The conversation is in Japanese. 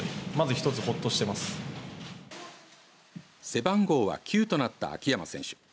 背番号は９となった秋山選手。